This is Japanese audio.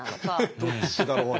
どっちだろうな。